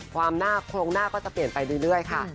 ความหน้าโครงหน้าก็จะเปลี่ยนไปเรื่อยค่ะ